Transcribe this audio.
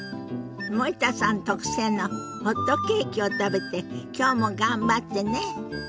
森田さん特製のホットケーキを食べてきょうも頑張ってね。